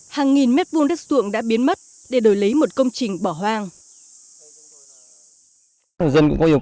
hàng nghìn mét vuông đất xuộng đã biến mất để đổi lấy một công trình bỏ hoang